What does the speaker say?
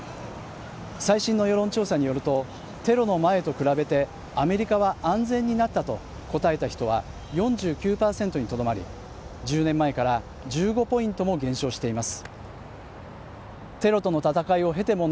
最新の世論調査によると、テロの前と比べてアメリカは安全になったと答えた人は４９％にとどまり１０年前から１５ポイントも減少しています。